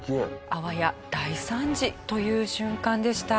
あわや大惨事という瞬間でした。